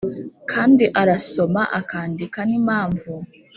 kandi arasoma, akandika, n'impamvu,